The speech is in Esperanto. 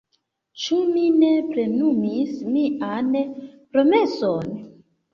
Ĉu mi ne plenumis mian promeson?